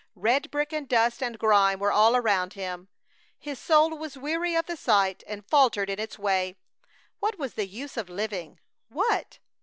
Red brick and dust and grime were all around him. His soul was weary of the sight and faltered in its way. What was the use of living? What?